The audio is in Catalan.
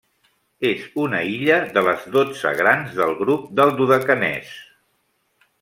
És una illa de les dotze grans del grup del Dodecanès.